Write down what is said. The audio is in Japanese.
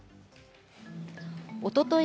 おととい